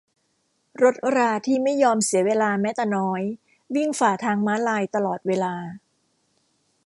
รถราที่ไม่ยอมเสียเวลาแม้แต่น้อย วิ่งฝ่าทางม้าลายตลอดเวลา